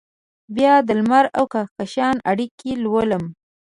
بیا دلمر اوکهکشان اړیکې لولم